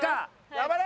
頑張れ！